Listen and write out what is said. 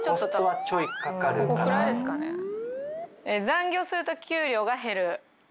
残業すると給料が減る。